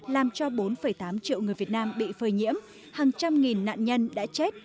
làm cho bốn tám triệu người việt nam bị phơi nhiễm hàng trăm nghìn nạn nhân đã chết